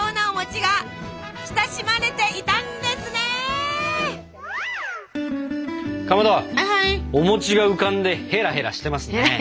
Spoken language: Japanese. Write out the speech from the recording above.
お餅が浮かんでへらへらしてますね。